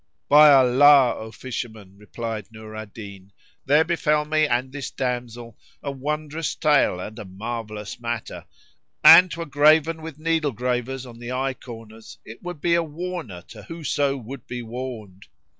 "By Allah, O fisherman," replied Nur al Din, "there befel me and this damsel a wondrous tale and a marvellous matter: an 't were graven with needle gravers on the eye corners it would be a warner to whoso would be warned."